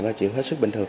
nó chỉ hết sức bình thường